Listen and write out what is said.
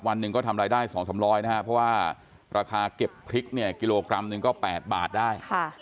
วันหนึ่งก็ทำรายได้๒๓๐๐นะครับเพราะว่าราคาเก็บพริกเนี่ยกิโลกรัมหนึ่งก็๘บาทได้